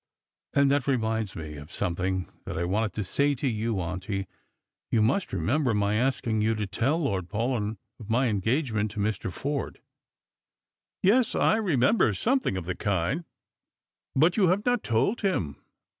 And that reminds me of something that I wanted to say to you, auntie; you must remember my asking you to tell Lord Paulyn of my engagement to Mr. Forde." 174 Strangers and Pilgrimi. Yes, I remember sometliing of tlie kind " "But you have not told him."